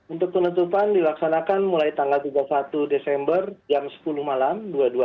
untuk penutupan dilaksanakan mulai tanggal dua puluh satu desember jam sepuluh malam dua puluh dua